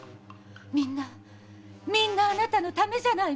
みんなみんなあなたのためじゃないの！